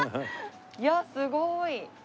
いやすごーい。